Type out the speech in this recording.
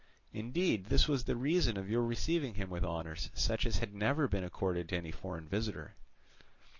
Indeed, this was the reason of your receiving him with honours such as had never been accorded to any foreign visitor.